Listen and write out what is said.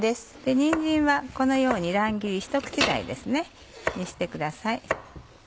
にんじんはこのように乱切りひと口大にしてください。